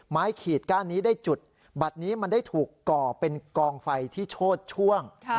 ขีดก้านนี้ได้จุดบัตรนี้มันได้ถูกก่อเป็นกองไฟที่โชดช่วง